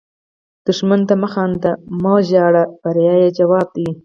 دښمن ته مه خاندئ، مه وژاړئ – بریا یې ځواب ده